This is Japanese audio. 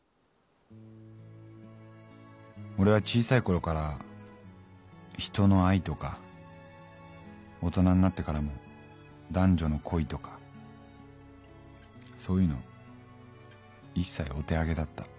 「俺は小さいころから人の愛とか大人になってからも男女の恋とかそういうの一切お手上げだった。